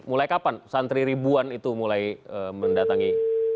mulai kapan santri ribuan itu mulai mendatangi